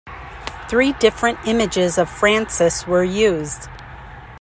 Three different images of Francis were used.